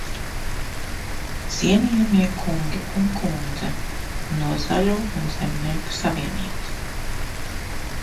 Cienījamie kungi un kundze no Zaļo un zemnieku savienības!